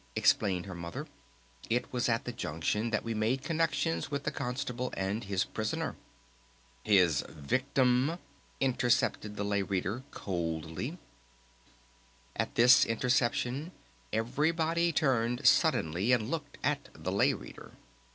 explained her Mother. "It was at the Junction that we made connections with the Constable and his prisoner." "His victim," intercepted the Lay Reader coldly. At this interception everybody turned suddenly and looked at the Lay Reader.